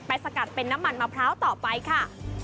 สกัดเป็นน้ำมันมะพร้าวต่อไปค่ะ